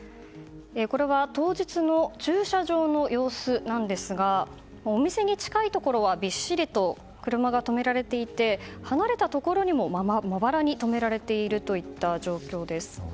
これは当日の駐車場の様子ですがお店に近いところはびっしり車が止められていて離れたところにもまばらに止められている状況です。